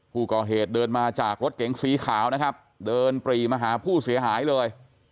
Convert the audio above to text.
ผู้ก่อเหตุเดินมาจากรถเก๋งสีขาวนะครับเดินปรีมาหาผู้เสียหายเลย